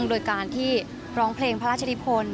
โดยการที่ร้องเพลงพระราชนิพล